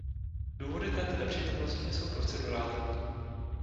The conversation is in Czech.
Důvody této nepřítomnosti jsou procedurální.